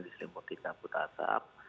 di selimuti kabut asap